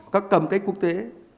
các cam kết quốc tế